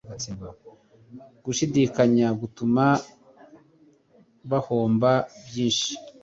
Gushidikanya gutuma bahomba byinshi.